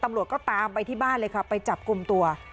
ตำรวจก็ตามไปที่บ้านเลยค่ะไปจับกลุ่มตัว